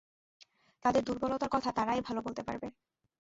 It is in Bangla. তাদের দুর্বলতার কথা তারাই ভালো বলতে পারবে।